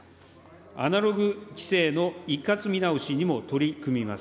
アナログ規制の一括見直しにも取り組みます。